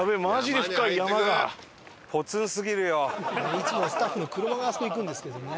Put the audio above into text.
「いつもスタッフの車があそこ行くんですけどね」